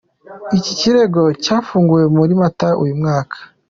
Iki kirego cyafunguwe muri Mata uyu mwaka.